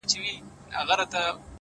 بيا وايم زه!! يو داسې بله هم سته!!